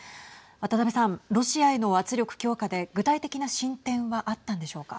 渡辺さん、ロシアへの圧力強化で具体的な進展はあったんでしょうか。